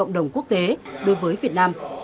đồng quốc tế đối với việt nam